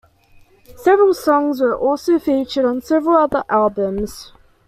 Several songs were also featured on several other albums.